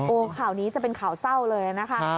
โอ้โหข่าวนี้จะเป็นข่าวเศร้าเลยนะคะ